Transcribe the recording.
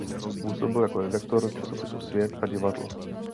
Působil jako redaktor časopisu "Svět a divadlo".